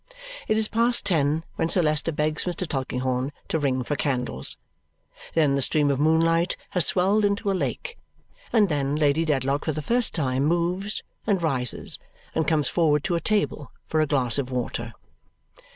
It is past ten when Sir Leicester begs Mr. Tulkinghorn to ring for candles. Then the stream of moonlight has swelled into a lake, and then Lady Dedlock for the first time moves, and rises, and comes forward to a table for a glass of water.